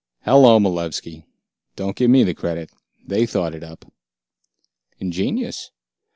"Hello, Malevski. Don't give me the credit. They thought it up." "Ingenious.